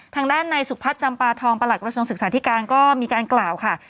ทางด้านในสุพัฒน์จำปาทองประหลักกระทรวงศึกษาธิการก็มีการกล่าวค่ะ